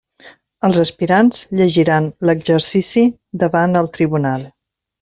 Els aspirants llegiran l'exercici davant el tribunal.